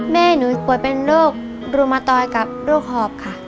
แม่หนูป่วยเป็นโรครุมตอยกับโรคหอบค่ะ